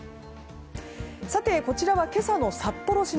こちらは今朝の札幌市内。